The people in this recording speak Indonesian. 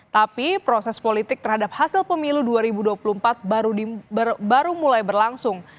tapi proses politik terhadap hasil pemilu dua ribu dua puluh empat baru mulai berlangsung